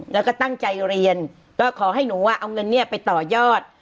แล้วก็ตั้งใจเรียนก็ขอให้หนูเอาเงินเนี่ยไปต่อยอด